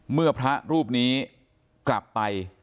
เมื่อพระรูปนี้กลับไป